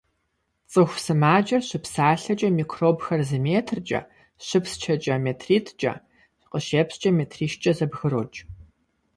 ЦӀыху сымаджэр щыпсалъэкӀэ микробхэр зы метркӀэ, щыпсчэкӀэ метритӏкӀэ, къыщепскӀэ метрищкӀэ зэбгрокӀ.